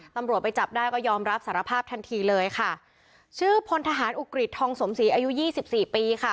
ตำรวจไปจับได้ก็ยอมรับสารภาพทันทีเลยค่ะชื่อพลทหารอุกฤษทองสมศรีอายุยี่สิบสี่ปีค่ะ